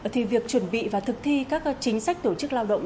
thì việc chuẩn bị và thực thi các chính sách tổ chức lao động